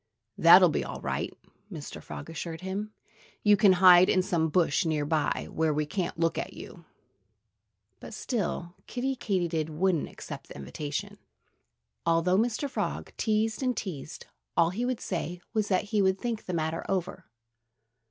"That'll be all right!" Mr. Frog assured him. "You can hide in some bush near by, where we can't look at you." But still Kiddie Katydid wouldn't accept the invitation. Although Mr. Frog teased and teased, all he would say was that he would think the matter over.